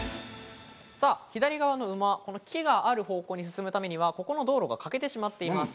左側の馬、木がある方向に進むためには、ここの道路が欠けてしまっています。